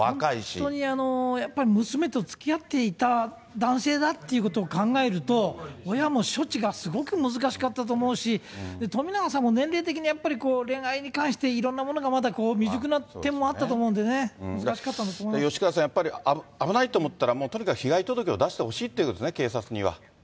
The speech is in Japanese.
本当にやっぱり、娘とつきあっていた男性だということを考えると、親も処置がすごく難しかったと思うし、冨永さんも年齢的にやっぱりこう、恋愛に関して、いろんなものがまだ未熟な点もあったと思うしね、難しかったんだ吉川さん、やっぱり、危ないと思ったら、被害届を出してほしいということですね、警察には。